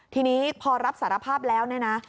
ทีนี้พอรับสารภาพแล้วเนี่ยนะ